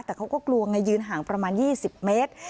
แต่เขาก็กลัวไงยืนห่างประมาณ๒๐เมตร